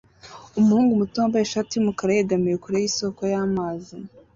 Umuhungu muto wambaye ishati yumukara yegamiye kure yisoko y'amazi